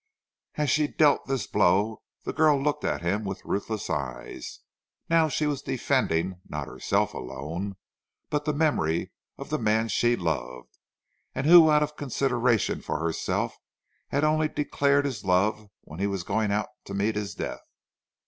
As she dealt this blow the girl looked at him with ruthless eyes. Now she was defending, not herself alone, but the memory of the man she loved, and who out of consideration for herself had only declared his love when he was going out to meet his death.